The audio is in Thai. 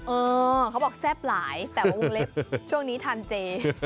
เออเขาบอกแซ่บหลายแต่ว่าวงเล็บช่วงนี้ทานเจ